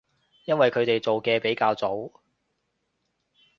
因為佢哋做嘅比較早